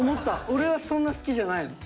俺はそんな好きじゃないの？